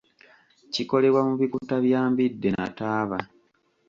Kikolebwa mu bikuta bya mbidde na taaba.